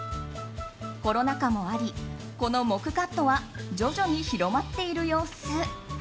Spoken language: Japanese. コロナ禍もあり、この黙カットは徐々に広まっている様子。